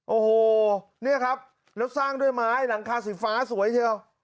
โอ้โหเนี่ยครับแล้วสร้างด้วยไม้หลังคาสีฟ้าสวยเชียว